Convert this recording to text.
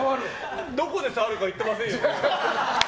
どこで触るか言ってませんよね。